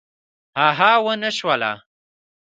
هغه ونشوله.